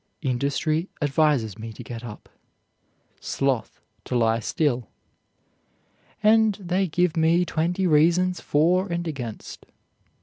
Industry advises me to get up; Sloth to lie still; and they give me twenty reasons for and against.